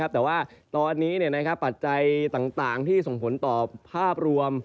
แต่ว่าตอนนี้ปัจจัยต่างที่ส่งผลต่อภาพรวม